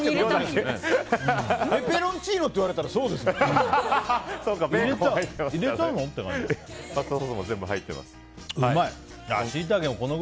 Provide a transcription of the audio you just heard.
ペペロンチーノって言われたら入れたの？